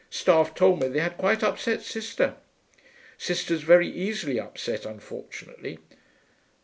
Staff told me they had quite upset Sister. Sister's very easily upset, unfortunately.